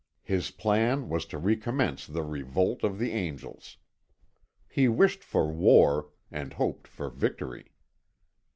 His plan was to recommence the revolt of the angels. He wished for war, and hoped for victory.